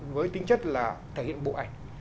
với tính chất là thể hiện bộ ảnh